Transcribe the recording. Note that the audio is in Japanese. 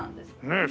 ねえ。